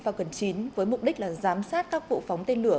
tên lửa đẩy falcon chín với mục đích là giám sát các vụ phóng tên lửa